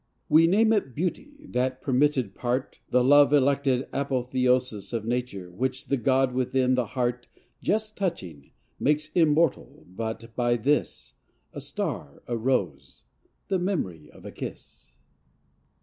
III We name it beauty that permitted part, The love elected apotheosis Of Nature, which the god within the heart, Just touching, makes immortal, but by this A star, a rose, the memory of a kiss.